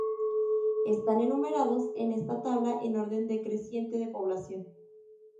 Están enumerados en esta tabla en orden decreciente de población